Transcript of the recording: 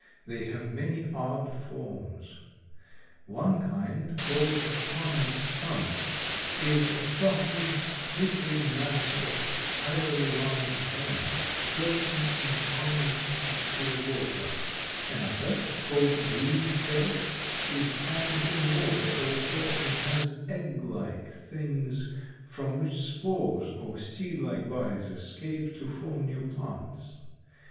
They have many odd forms. One kind, called a pond scum, is a frothy, slippery mass of spirally wound bands, floating in ponds or still water; another, called "green felt," is found in water also, and has egg like things from which spores or seed like bodies escape to form new plants.